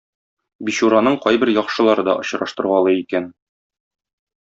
Бичураның кайбер яхшылары да очраштыргалый икән.